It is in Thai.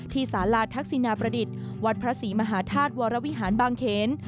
สาราทักษินาประดิษฐ์วัดพระศรีมหาธาตุวรวิหารบางเขน